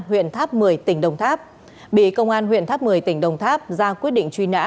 huyện tháp một mươi tỉnh đồng tháp bị công an huyện tháp một mươi tỉnh đồng tháp ra quyết định truy nã